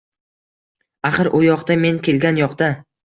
Axir, u yoqda — men kelgan yoqda…